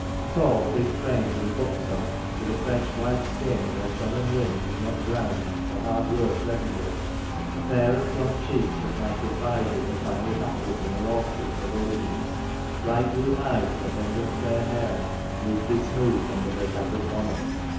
Tall, big framed, and buxom, with a fresh white skin where sun and wind had not browned or hard work reddened it, a pair of plump cheeks that might have vied with the finest apples in her orchard for rosiness, bright blue eyes, and abundant fair hair neatly smoothed under her gathered bonnet.